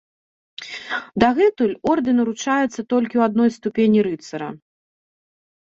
Дагэтуль ордэн уручаецца толькі ў адной ступені рыцара.